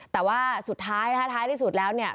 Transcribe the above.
แต่ว่าสุดท้ายนะคะท้ายที่สุดแล้วเนี่ย